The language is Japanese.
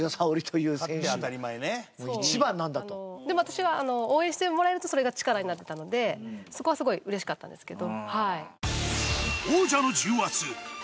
でも私は応援してもらえるとそれが力になってたのでそこはすごいうれしかったんですけど。